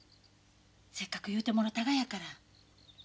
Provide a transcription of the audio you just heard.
せっかく言うてもろたがやから。